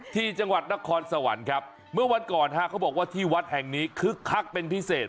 ที่จังหวัดนครสวรรค์ครับเมื่อวันก่อนฮะเขาบอกว่าที่วัดแห่งนี้คึกคักเป็นพิเศษ